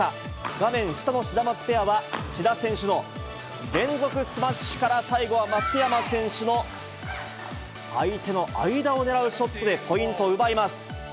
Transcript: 画面下のシダマツペアは、志田選手の連続スマッシュから最後は松山選手の相手の間を狙うショットでポイントを奪います。